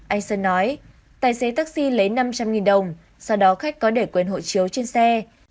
anh sơn nói tài xế taxi lấy năm trăm linh đồng sau đó khách có để quên hộ chiếu trên xe